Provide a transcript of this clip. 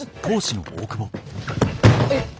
えっ？